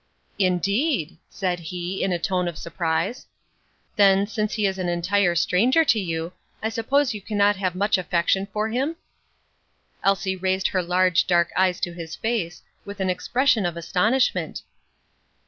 "Indeed!" said he, in a tone of surprise; "then, since he is an entire stranger to you, I suppose you cannot have much affection for him?" Elsie raised her large, dark eyes to his face, with an expression of astonishment.